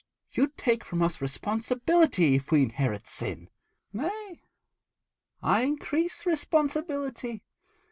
'You take from us responsibility if we inherit sin.' 'Nay, I increase responsibility.